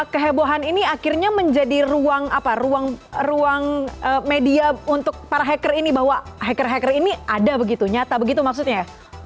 kehebohan ini akhirnya menjadi ruang media untuk para hacker ini bahwa hacker hacker ini ada begitu nyata begitu maksudnya ya